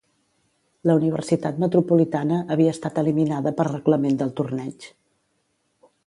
La Universitat Metropolitana havia estat eliminada per reglament del torneig.